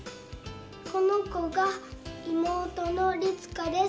このこがいもうとのりつかです。